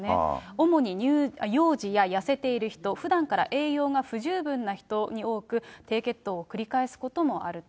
主に幼児や痩せている人、ふだんから栄養が不十分な人に多く、低血糖を繰り返すこともあると。